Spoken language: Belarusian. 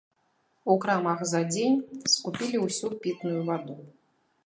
У крамах за дзень скупілі ўсю пітную ваду.